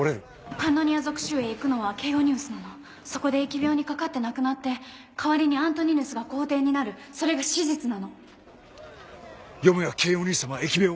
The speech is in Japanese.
パンノニア属州へ行くのはケイオニウスなのそこで疫病にかかって亡くなって代わりにアントニヌスが皇帝になるそれが史実なのよもやケイオニウス様は疫病を？